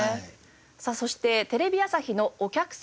さあそしてテレビ朝日のお客様